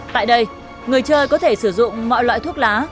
tại đây người chơi có thể sử dụng mọi loại thuốc lá